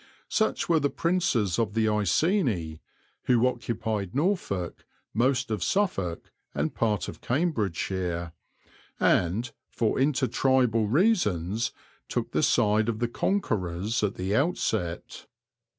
Such were the princes of the Iceni, who occupied Norfolk, most of Suffolk, and part of Cambridgeshire, and, for inter tribal reasons, took the side of the conquerors at the outset.